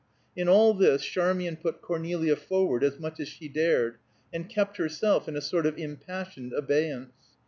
In all this Charmian put Cornelia forward as much as she dared, and kept herself in a sort of impassioned abeyance.